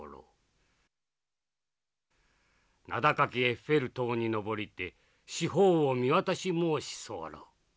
名高きエッフェル塔に登りて四方を見渡し申し候。